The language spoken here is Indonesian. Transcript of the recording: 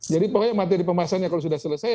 jadi pokoknya materi pembahasannya kalau sudah selesai